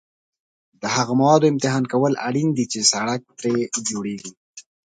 د هغو موادو امتحان کول اړین دي چې سړک ترې جوړیږي